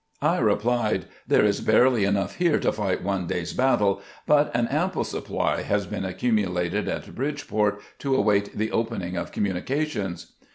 " I replied, " There is barely enough here to fight one day's battle, but an ample supply has been accumulated at Bridgeport to await the opening of communications."